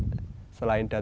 dan selain data